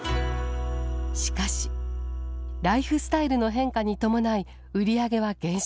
しかしライフスタイルの変化に伴い売り上げは減少。